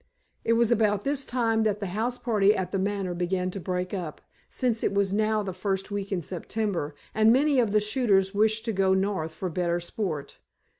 It was about this time that the house party at The Manor began to break up; since it was now the first week in September, and many of the shooters wished to go north for better sport.